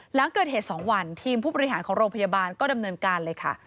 หลังเกิดเหตุ๒วันทีมผู้บริหารของโรงพยาบาลก็ดำเนินการเลยค่ะ